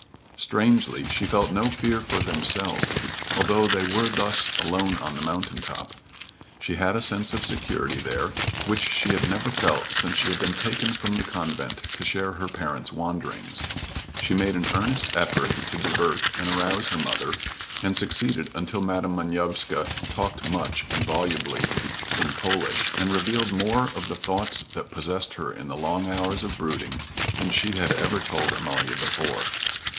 Strangely, she felt no fear for themselves, although they were thus alone on the mountain top. She had a sense of security there which she had never felt in the years since she had been taken from the convent to share her parents' wanderings. She made an earnest effort to divert and arouse her mother and succeeded until Madam Manovska talked much and volubly in Polish, and revealed more of the thoughts that possessed her in the long hours of brooding than she had ever told Amalia before.